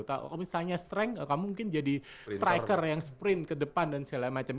kalau misalnya strength kamu mungkin jadi striker yang sprint ke depan dan segala macam